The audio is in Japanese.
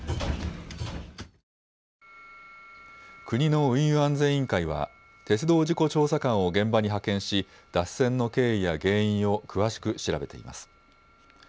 国の運輸安全委員会は鉄道事故調査官を現場に派遣し脱線の経緯や原因を詳しく調べています。